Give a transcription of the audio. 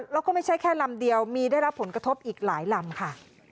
แล้วก็ไม่ใช่แค่ลำเดียวมีได้รับผลกระทบอีกหลายลำค่ะ